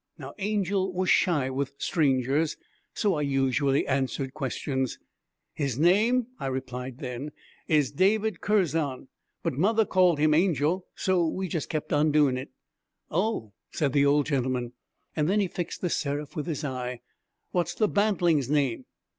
Now Angel was shy with strangers, so I usually answered questions. 'His name,' I replied then, 'is David Curzon; but mother called him Angel, so we jus' keep on doing it.' 'Oh,' said the old gentleman. Then he fixed The Seraph with his eye. 'What's the bantling's name?'